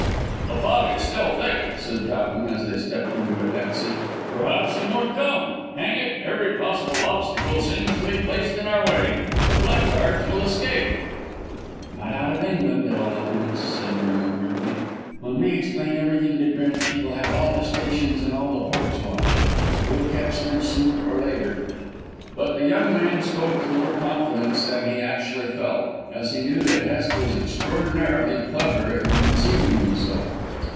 "The fog is still thick," said Towton as they stepped into a taxi; "perhaps he won't come. Hang it, every possible obstacle seems to be placed in our way. The blackguards will escape." "Not out of England, at all events," said Vernon grimly. "When we explain everything to Drench he will have all the stations and all the ports watched. We'll catch them sooner or later." But the young man spoke with more confidence than he actually felt, as he knew that Hest was extraordinarily clever in concealing himself.